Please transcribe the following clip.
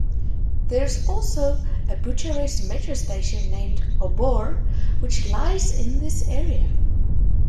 There is also a Bucharest Metro station named Obor, which lies in this area.